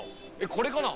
これかな？